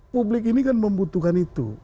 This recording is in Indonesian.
publik ini kan membutuhkan itu